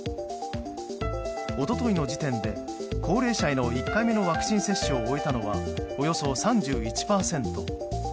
一昨日の時点で高齢者への１回目のワクチン接種を終えたのはおよそ３１％。